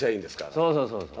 そうそうそうそう。